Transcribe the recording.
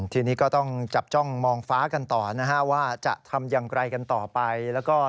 ทีนี้ก็ต้องจับจ้องมองฟ้ากันต่อนะฮะว่าจะทำอย่างไรกันต่อไปแล้วก็